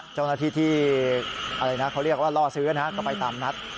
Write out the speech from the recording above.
เจ้าหน้าที่ที่เขาเรียกว่าล่อซื้อนะก็ไปตามนัด